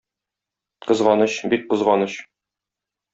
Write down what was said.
Кызганыч, бик кызганыч.